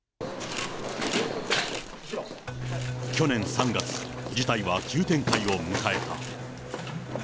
去年３月、事態は急展開を迎えた。